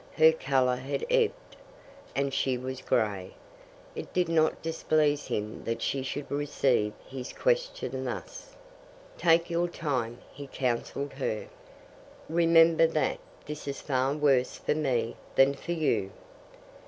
Her colour had ebbed, and she was grey. It did not displease him that she should receive his question thus. "Take your time," he counselled her. "Remember that this is far worse for me than for you."